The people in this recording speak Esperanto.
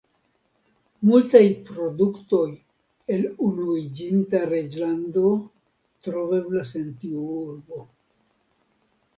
Multaj produktoj el Unuiĝinta Reĝlando troveblas en tiu urbo.